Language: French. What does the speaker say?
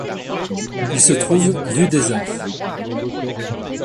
Il se trouve rue des Arts.